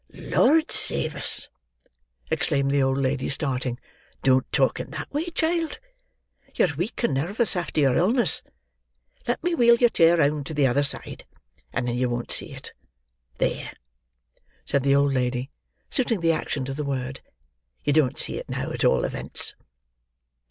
"Lord save us!" exclaimed the old lady, starting; "don't talk in that way, child. You're weak and nervous after your illness. Let me wheel your chair round to the other side; and then you won't see it. There!" said the old lady, suiting the action to the word; "you don't see it now, at all events."